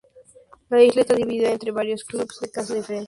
La isla está dividida entre varios clubes de caza diferentes.